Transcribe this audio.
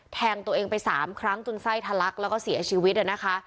แทงตัวเองไป๓ครั้งจนไส้ทะลักแล้วก็เสียชีวิตนะคะ